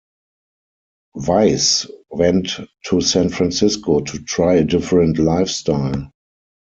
Weiss went to San Francisco to try a different lifestyle.